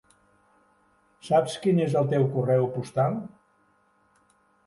Saps quin és el teu correu postal?